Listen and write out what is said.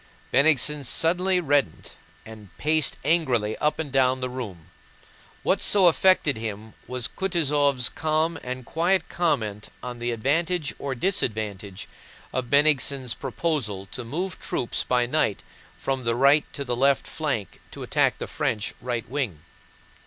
Bennigsen suddenly reddened and paced angrily up and down the room. What so affected him was Kutúzov's calm and quiet comment on the advantage or disadvantage of Bennigsen's proposal to move troops by night from the right to the left flank to attack the French right wing.